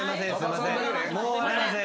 もう笑いません。